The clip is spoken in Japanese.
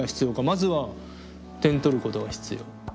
まずは点取ることが必要。